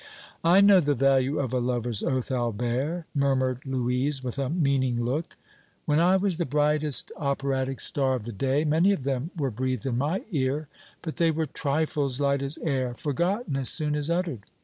"I know the value of a lover's oath, Albert," murmured Louise, with a meaning look. "When I was the brightest operatic star of the day many of them were breathed in my ear, but they were 'trifles light as air,' forgotten as soon as uttered.